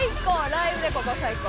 ライブでここ最高。